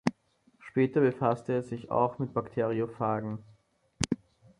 Später befasste er sich auch mit Bakteriophagen.